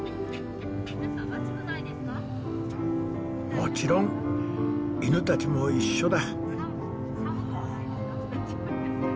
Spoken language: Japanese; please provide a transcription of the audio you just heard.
もちろん犬たちも一緒だ。